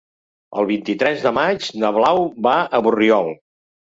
El vint-i-tres de maig na Blau va a Borriol.